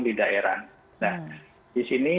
di daerah nah disini